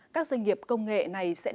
các doanh nghiệp công nghệ này sẽ đi ra